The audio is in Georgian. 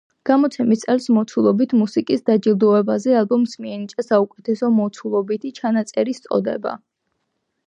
გამოცემის წელს მოცულობითი მუსიკის დაჯილდოებაზე ალბომს მიენიჭა საუკეთესო მოცულობითი ჩანაწერის წოდება.